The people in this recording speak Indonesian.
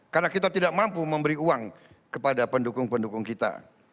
karena kita tidak mampu memberi uang kepada pendukung pendukung kita